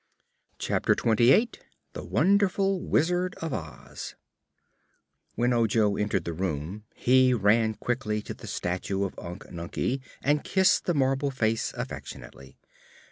Chapter Twenty Eight The Wonderful Wizard of Oz When Ojo entered the room he ran quickly to the statue of Unc Nunkie and kissed the marble face affectionately.